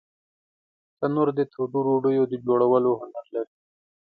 تنور د تودو ډوډیو د جوړولو هنر لري